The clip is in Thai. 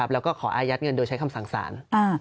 แล้วก็ขออายัดเงินโดยใช้คำสั่งสาร